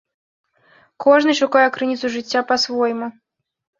Кожны шукае крыніцу жыцця па-свойму.